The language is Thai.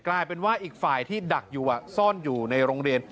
กลายเป็นว่าอีกฝ่ายที่ดักอยู่ซ่อนอยู่ในโรงเรียน